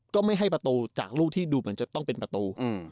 ก็ไม่ให้ประตูจากลูกที่ดูเหมือนจะต้องเป็นประตู